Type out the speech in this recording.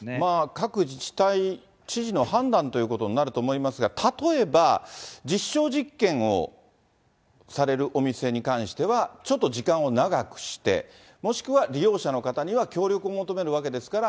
各自治体、知事の判断ということになると思いますが、例えば実証実験をされるお店に関してはちょっと時間を長くして、もしくは利用者の方には協力を求めるわけですから、